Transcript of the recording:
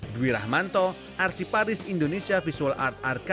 duirahmanto arsiparis indonesia visual art arkitektur